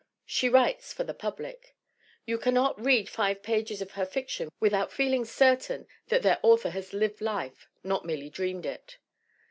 She writes for the pub lic. ... You cannot read five pages of her fiction without feeling certain that their author has lived life, not merely dreamed it."